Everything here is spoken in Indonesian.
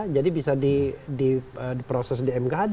jadi bisa diproses di mkhd